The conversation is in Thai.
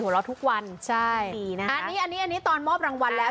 หัวเราะทุกวันใช่ดีนะคะอันนี้อันนี้อันนี้ตอนมอบรางวัลแล้ว